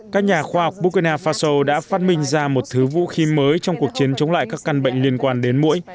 các nhà khoa học burkina faso đã phát minh ra một thứ vũ khí mới trong cuộc chiến chống lại các căn bệnh liên quan đến mũi